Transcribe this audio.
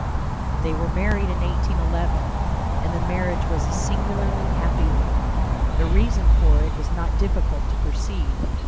They were married in 1811, and the marriage was a singularly happy one. The reason for it is not difficult to perceive.